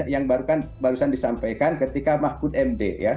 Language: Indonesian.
yang barusan disampaikan ketika mahfud md ya